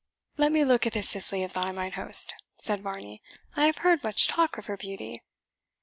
"Let me look at this Cicely of thine, mine host," said Varney; "I have heard much talk of her beauty."